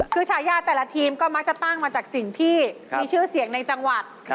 คือฉายาแต่ละทีมก็มักจะตั้งมาจากสิ่งที่มีชื่อเสียงในจังหวัด